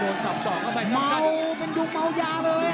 โอ้โหแม่โดนสอบเข้าไปสำคัญม้าวววเป็นดุกม้าวยาเลยอ่ะ